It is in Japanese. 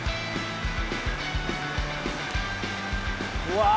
うわ！